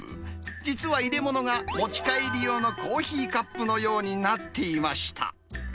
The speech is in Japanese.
実は入れ物が持ち帰り用のコーヒーカップのようになっていました。